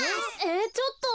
えちょっと。